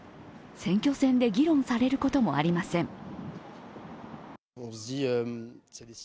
選挙戦で議論されることもありません。